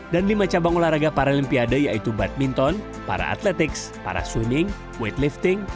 dan lima cabang olahraga para olimpiade yaitu badminton para atletik dan pencabang olahraga